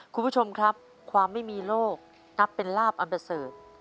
คุณผู้ชมครับความไม่มีโรคนับเป็นลาบอัมเทศ